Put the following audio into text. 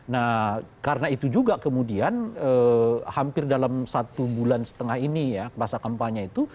nah karena itu juga kemudian hampir dalam satu bulan setengah ini ya masa kampanye itu